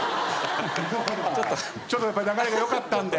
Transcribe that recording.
ちょっと流れが良かったんで。